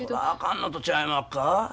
そらあかんのとちゃいまっか？